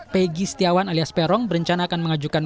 peggy setiawan alias perong berencana akan mengajukan